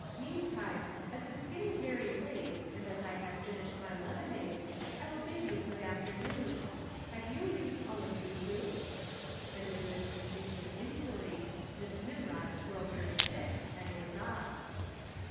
Meantime as it is getting very late, and as I have finished my lemonade, I will bid you good afternoon have you used 'Olotutu?'" And with this facetious inquiry Miss Nimrod twirled her stick and was off.